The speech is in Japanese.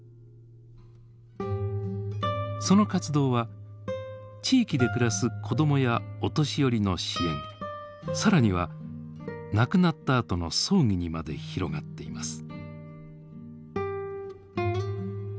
その活動は地域で暮らす子どもやお年寄りの支援更には亡くなったあとの葬儀にまで広がっています。